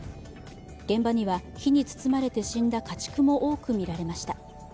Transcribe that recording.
現場には火に包まれて死んだ家畜も多く見られました。